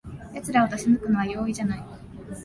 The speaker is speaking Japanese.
やつらを出し抜くのは容易じゃない